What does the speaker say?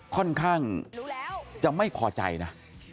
ค่อนข้างจะไม่พอใจนะ